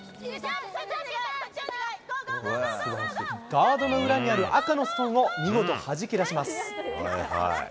ガードの裏にある赤のストーンを見事、はじき出します。